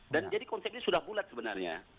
dan jadi konsep ini sudah bulat sebenarnya